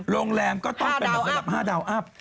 โรงแรม๕ดาวอัพ